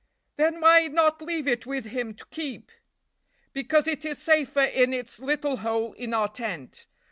"Then why not leave it with him to keep?" "Because it is safer in its little hole in our tent.